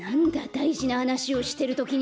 だいじなはなしをしてるときに。